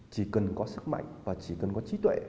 chỉ cần có sức mạnh và chỉ cần có trí tuệ